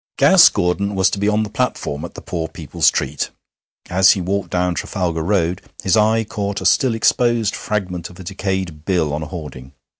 IV Gas Gordon was to be on the platform at the poor people's treat. As he walked down Trafalgar Road his eye caught a still exposed fragment of a decayed bill on a hoarding.